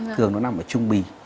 thường nó nằm ở chung bì